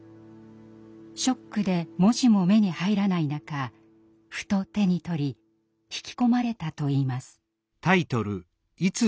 ショックで文字も目に入らない中ふと手に取り引き込まれたといいます。